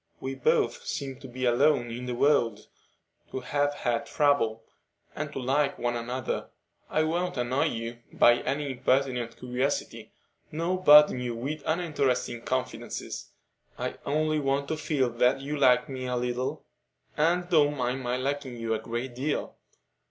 We both seem to be alone in the world, to have had trouble, and to like one another. I won't annoy you by any impertinent curiosity, nor burden you with uninteresting confidences; I only want to feel that you like me a little and don't mind my liking you a great deal.